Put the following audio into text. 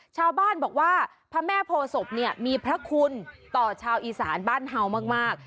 ชาวบ้านบอกว่าพระแม่โพศพเนี่ยมีพระคุณต่อชาวอีสานบ้านเฮามาก